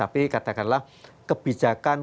tapi katakanlah kebijakan